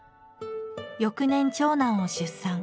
翌年長男を出産。